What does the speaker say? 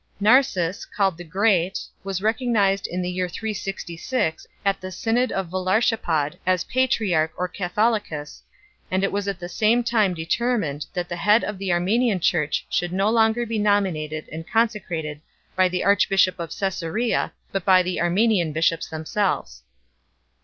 Narses, called the Great, was recognised in the year 366 at the synod of Valarshapad as patriarch or catholicus, and it was at the same time determined that the head of the Armenian Church should no longer be nominated and consecrated by the Archbishop of Caesarea, but by the Armenian bishops themselves.